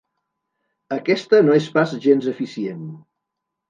Aquesta no és pas gens eficient.